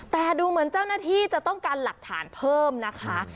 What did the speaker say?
แต่ดูเหมือนเจ้าหน้าที่จะต้องการหลักฐานเพิ่มนะคะ